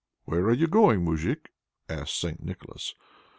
"Where are you going, Moujik?" asked St. Nicholas.